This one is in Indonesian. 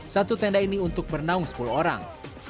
satu tenda ini untuk bernaung sepuluh orang